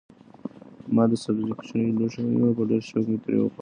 ما د سبزیو کوچنی لوښی ونیو او په ډېر شوق مې ترې وخوړل.